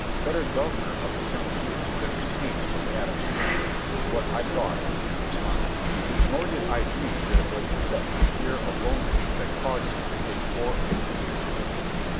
Better governor of Kyong ju than retainer of Adam Strang, was what I thought was in his mind; nor did I dream that it was except for fear of loneliness that caused him to take four of the cunies with him.